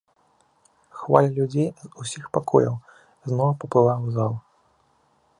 Хваля людзей з усіх пакояў зноў паплыла ў зал.